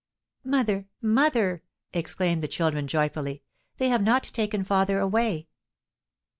"Mother! mother!" exclaimed the children, joyfully, "they have not taken father away!"